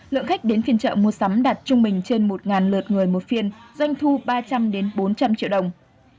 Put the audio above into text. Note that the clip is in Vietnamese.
lượng khách đến phiên chợ mua sắm đạt trung bình trên một lượt người một phiên doanh thu ba trăm linh bốn trăm linh triệu đồng